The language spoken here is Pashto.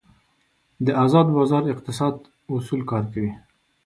د ازاد بازار اقتصاد اصول کار کوي.